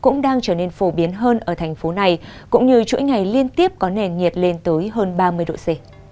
cũng đang trở nên phổ biến hơn ở thành phố này cũng như chuỗi ngày liên tiếp có nền nhiệt lên tới hơn ba mươi độ c